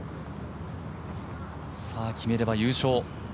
決めれば優勝。